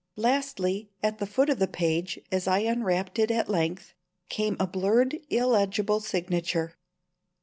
Lastly, at the foot of the page, as I unwrapped it at length, came a blurred illegible signature.